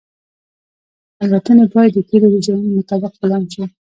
الوتنې باید د تیلو د ځایونو مطابق پلان شي